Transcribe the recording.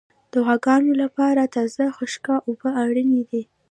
د غواګانو لپاره تازه څښاک اوبه اړین دي.